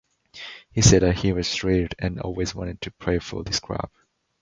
He said that he was thrilled and always wanted to play for this club.